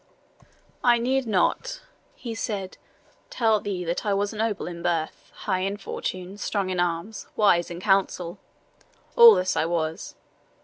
"I need not," he said, "tell thee that I was noble in birth, high in fortune, strong in arms, wise in counsel. All these I was.